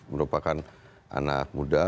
merupakan anak muda